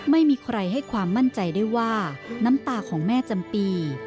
ไม่มีใครให้ความมั่นใจได้ว่าน้ำตาของแม่จำปี